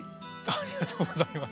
ありがとうございます。